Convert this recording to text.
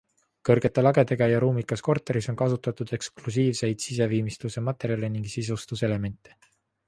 Kõrgete lagedega ja ruumikas korteris on kasutatud eksklusiivseid siseviimistluse materjale ning sisustuselemente.